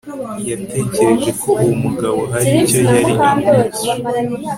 yatekereje ko uwo mugabo hari icyo yari amuhishe